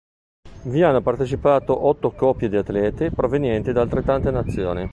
Vi hanno partecipato otto coppie di atleti provenienti da altrettante nazioni.